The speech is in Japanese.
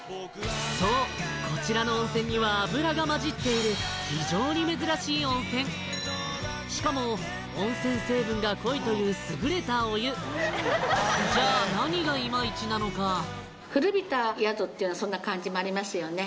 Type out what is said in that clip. そうこちらの温泉には油が混じっている非常に珍しい温泉しかも温泉成分が濃いという優れたお湯じゃあ何がイマイチなのか古びた宿っていうそんな感じもありますよね